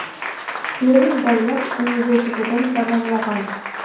Пермь дәүләт университетын тамамлаған.